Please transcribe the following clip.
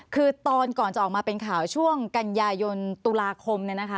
คือตอนก่อนจะออกมาเป็นข่าวช่วงกันยายนตุลาคม